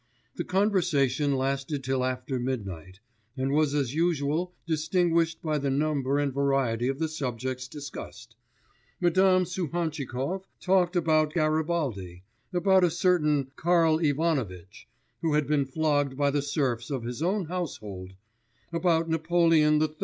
The conversation lasted till after midnight, and was as usual distinguished by the number and variety of the subjects discussed. Madame Suhantchikov talked about Garibaldi, about a certain Karl Ivanovitch, who had been flogged by the serfs of his own household, about Napoleon III.